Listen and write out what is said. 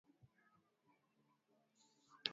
Siku ya ijumaa ni nzuri